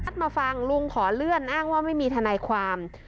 มาฟังลุงขอเลื่อนอ้างว่าไม่มีทนายความ